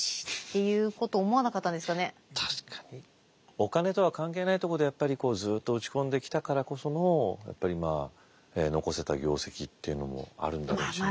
お金とは関係ないとこでやっぱりずっと打ち込んできたからこそのやっぱりまあ残せた業績っていうのもあるんだろうしね。